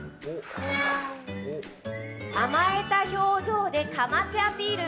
甘えた表情で構ってアピール。